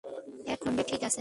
এক খণ্ডে, ঠিক আছে?